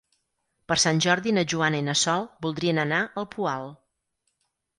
Per Sant Jordi na Joana i na Sol voldrien anar al Poal.